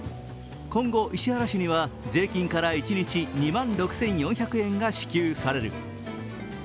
今後、石原氏には税金から一日２万６４００円が支給される。